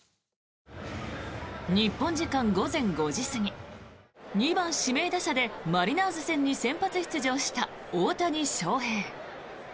日本時間午前５時過ぎ２番指名打者でマリナーズ戦に先発出場した大谷翔平。